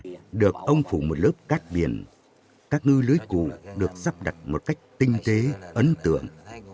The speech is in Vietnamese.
khi được ông phủ một lớp cát biển các ngư lưới cụ được sắp đặt một cách tinh tế ấn tượng